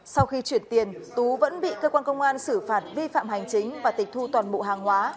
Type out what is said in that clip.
sau khi chuyển tiền tú vẫn bị cơ quan công an xử phạt vi phạm hành chính và tịch thu toàn bộ hàng hóa